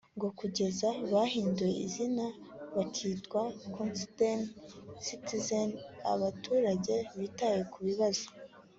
ngo kugeza bahinduye izina bakitwa Concerned Citizens (abaturage bitaye ku bibazo)